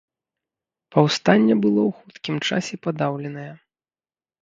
Паўстанне было ў хуткім часе падаўленае.